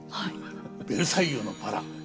「ベルサイユのばら」。